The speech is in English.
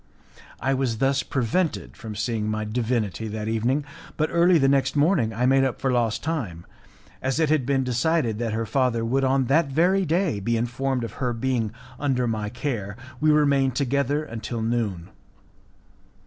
I was thus prevented from seeing my divinity that evening, but early the next morning I made up for lost time, and as it had been decided that her father would on that very day be informed of her being under my care, we remained together until noon.